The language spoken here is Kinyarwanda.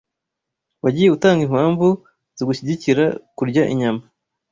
Wagiye utanga impamvu zigushyigikira kurya inyama